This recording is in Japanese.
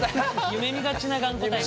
夢みがちな頑固タイプ。